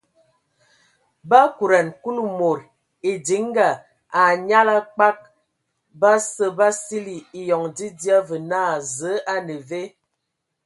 Ba akodan Kulu mod edinga a nyal a kpag basə ba sili eyoŋ dzidzia və naa: Zǝ a ne ve ?.